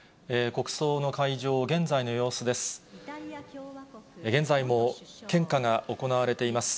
国葬の会場、現在の様子です。